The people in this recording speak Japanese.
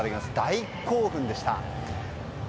大興奮でした。